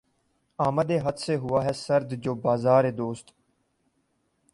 آمدِ خط سے ہوا ہے سرد جو بازارِ دوست